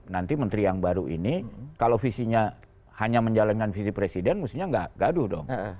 nanti menteri yang baru ini kalau visinya hanya menjalankan visi presiden mestinya nggak gaduh dong